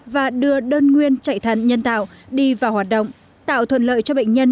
và đưa đơn nguyên chạy thận nhân tạo đi vào hoạt động tạo thuận lợi cho bệnh nhân